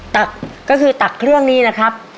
ตักก็คือตักเครื่องนี้นะครับ